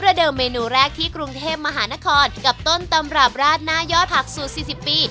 เดิมเมนูแรกที่กรุงเทพมหานครกับต้นตำรับราดหน้ายอดผักสูตร๔๐ปี